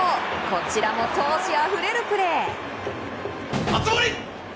こちらも闘志あふれるプレー。